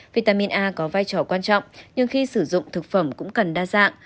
vitamin a có vai trò quan trọng nhưng khi sử dụng thực phẩm cũng cần đa dạng